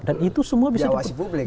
dan itu semua bisa diawasi publik